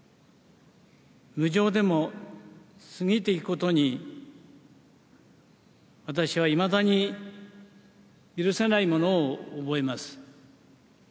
無情でも過ぎていくことに私はいまだに許せないものを覚えます。